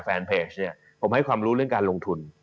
แฟนเพจเนี่ยผมให้ความรู้เรื่องการลงทุน